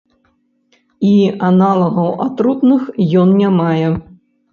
І аналагаў атрутных ён не мае.